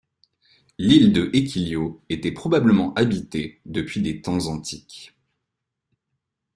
L'île de Equilio était probablement habitée depuis des temps antiques.